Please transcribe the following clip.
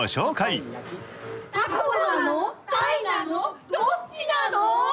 たこなのたいなのどっちなの？